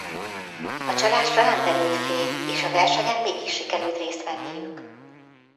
A csalásra nem derült fény és a versenyen mégis sikerült részt venniük.